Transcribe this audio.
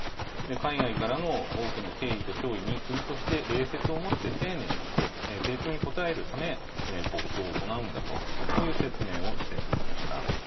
海外からの多くの敬意と弔意に国として、礼節をもって丁寧に、丁重に応えるため、国葬を行うんだと、こういう説明をしておりました。